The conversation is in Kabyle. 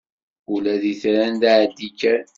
Ula d itran d aɛeddi kan.